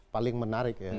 paling menarik ya